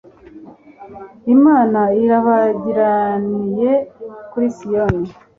imana irabagiraniye kuri siyoni